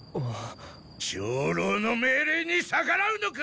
長老の命令に逆らうのか！？